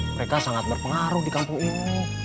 mereka sangat berpengaruh di kampung ini